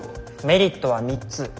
メリットは３つ。